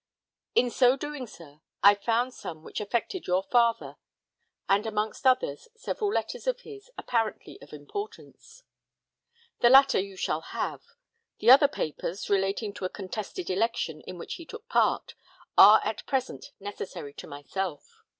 In so doing, sir, I found some which affected your father; and amongst others, several letters of his, apparently of importance. The latter you shall have; the other papers, relating to a contested election in which he took part, are at present necessary to myself."